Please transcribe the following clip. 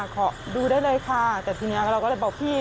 ขอดูได้เลยค่ะแต่ทีนี้เราก็เลยบอกพี่